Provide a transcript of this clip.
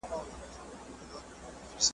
ککړتیا چاپېریال زیانمنوي.